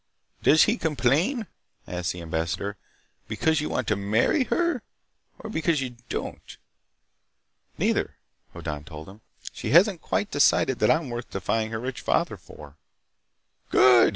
"Does he complain," asked the ambassador, "because you want to marry her, or because you don't?" "Neither," Hoddan told him. "She hasn't quite decided that I'm worth defying her rich father for." "Good!"